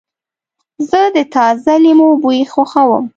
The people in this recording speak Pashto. زه د تازه لیمو بوی خوښوم.